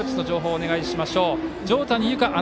お願いします。